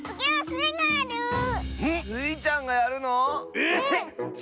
スイちゃんがやるの⁉えっ⁉うん！